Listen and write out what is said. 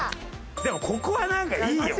でもここはなんかいいよ。